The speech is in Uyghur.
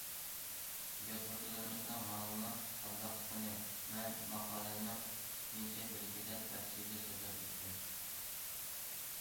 يازغۇچىلىرىمىزنىڭ ھالىنىڭ قانداقلىقىنى مەن ماقالەمنىڭ ئىككىنچى بۆلىكىدە تەپسىلىي سۆزلەپ ئۆتتۈم.